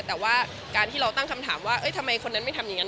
แต่ว่าการที่เราตั้งคำถามว่าทำไมคนนั้นไม่ทำอย่างนั้น